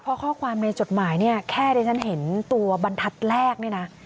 เพราะข้อความในจดหมายเนี่ยแค่ที่ฉันเห็นตัวบรรทัศน์แรกเนี่ยนะ